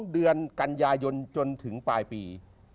เดือนกันยายนจนถึงปลายปี